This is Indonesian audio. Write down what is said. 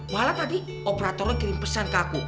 malah tadi operatornya kirim pesan ke aku